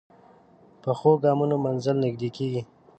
پخو ګامونو منزل نږدې کېږي